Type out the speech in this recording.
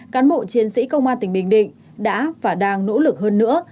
cán bộ chiến sĩ công an tỉnh bình định đã và đang nỗ lực hơn nữa